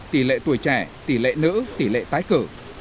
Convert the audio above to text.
tỷ lệ tuổi trẻ tỷ lệ nữ tỷ lệ tái cử